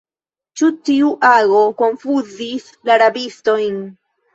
Ĉi tiu ago konfuzis la rabistojn.